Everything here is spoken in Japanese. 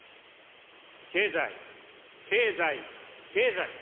経済、経済、経済。